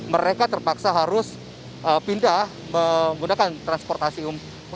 mereka terpaksa harus pindah menggunakan transportasi umum